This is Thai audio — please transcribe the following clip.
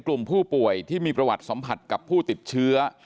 กลุ่มผู้ป่วยที่มีประวัติสัมผัสกับผู้ติดเชื้อ